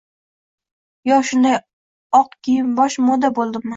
Yo shunday oq kiyim-bosh moda bo‘ldimi?»